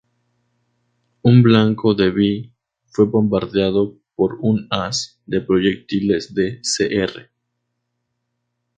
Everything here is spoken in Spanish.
Un blanco de Bi fue bombardeado por un haz de proyectiles de Cr.